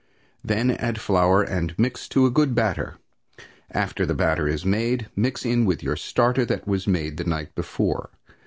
Then add flour and mix to a good batter; after the batter is made, mix in your starter that was made the night before.